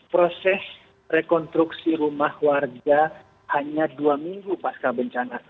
proses rekonstruksi rumah warga hanya dua minggu pasca bencana